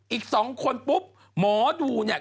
อีก๒คนปุ๊บหมอดูเนี่ย